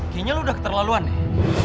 kayaknya lu udah keterlaluan nih